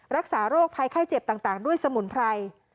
รักษาโรคภัยไข้เจ็บต่างด้วยสมุนไพร